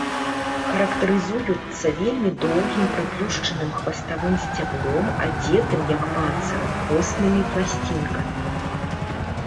Характарызуюцца вельмі доўгім прыплюшчаным хваставым сцяблом, адзетым, як панцырам, коснымі пласцінкамі.